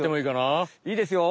いいですよ。